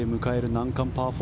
難関パー